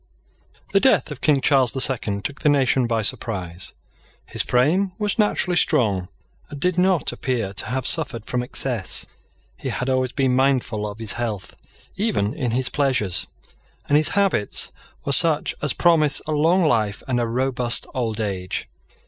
THE death of King Charles the Second took the nation by surprise. His frame was naturally strong, and did not appear to have suffered from excess. He had always been mindful of his health even in his pleasures; and his habits were such as promise a long life and a robust old age.